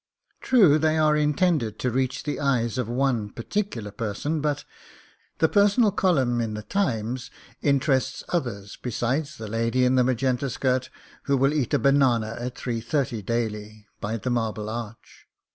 True, they are intended to reach the eyes of one particular person, but ... the personal column in the Times interests others besides the lady in the magenta skirt, who will eat a banana at 3.30 daily by the Marble Arch